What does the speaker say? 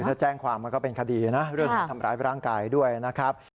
ถ้าแจ้งความก็เป็นคดีนะเรื่องทำร้ายพลาสติกแก่ด้วยนะครับ